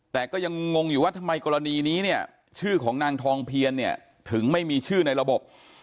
แต่ก็ยังงงอยู่ว่าทำไมกรณีนี้เนี่ยชื่อของนางทองเพียนเนี่ยถึงไม่มีชื่อในระบบ